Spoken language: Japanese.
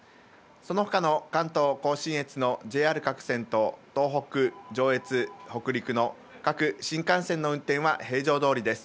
そのほかの関東甲信越のＪＲ各線と東北、上越、北陸の各新幹線の運転は平常どおりです。